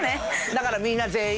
だからみんな全員。